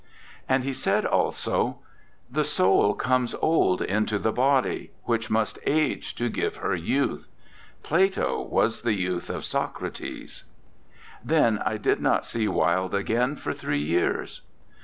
And he said, also: "The soul comes old into the body, which must age to give her youth. Plato was the youth of Socrates." Then I did not see Wilde again for three years.